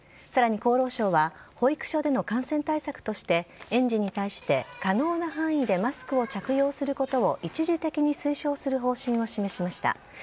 さらに厚労省は、保育所での感染対策として、園児に対して、可能な範囲でマスクを着用することを一時的に推奨する方針を示しました。